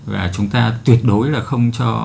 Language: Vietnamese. và chúng ta tuyệt đối là không cho